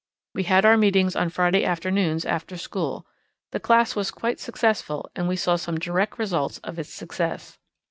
We had our meetings on Friday afternoons after school. The class was quite successful and we saw some direct results of its success.